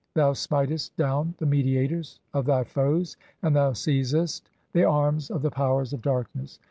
Thou smitest "down the mediators (i38) of thy foes, and thou seizest the arms "of the powers of darkness.